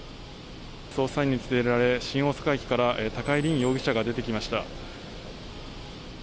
捜査員に連れられ新大阪駅から高井凜容疑者が出てきました。